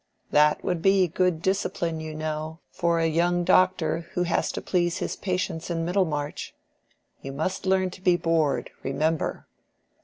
"That would be good discipline, you know, for a young doctor who has to please his patients in Middlemarch. You must learn to be bored, remember.